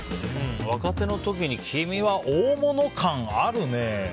若手の時に、君は大物感あるね。